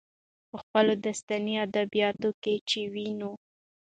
په خپلو داستاني ادبياتو کې چې وينو،